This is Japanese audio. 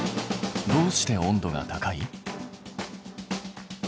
どうして温度が高い？